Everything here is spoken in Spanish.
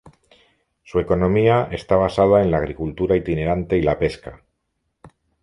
Su economía está basada en la agricultura itinerante y la pesca.